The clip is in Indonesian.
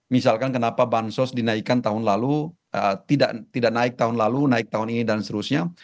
misalkan kenapa bansos dinaikkan tahun lalu tidak naik tahun lalu naik tahun ini dan seterusnya